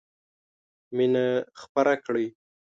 مينه خپره کړئ.